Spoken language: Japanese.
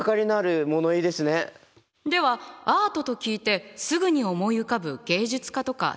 ではアートと聞いてすぐに思い浮かぶ芸術家とか作品は何？